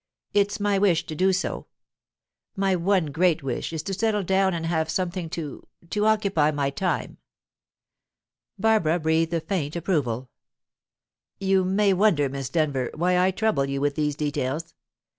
It's my wish to do so. My one great wish is to settle down and have something to to occupy my time." Barbara breathed a faint approval. "You may wonder, Miss Denyer, why I trouble you with these details.